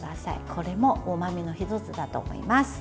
これもうまみの１つだと思います。